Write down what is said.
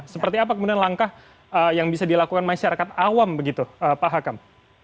seperti apa kemudian langkah yang bisa dilakukan masyarakat awam begitu pak hakam